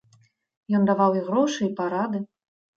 Ён даваў і грошы і парады.